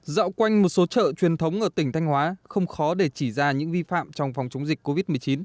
dạo quanh một số chợ truyền thống ở tỉnh thanh hóa không khó để chỉ ra những vi phạm trong phòng chống dịch covid một mươi chín